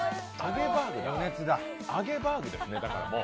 揚げバーグですね、もう。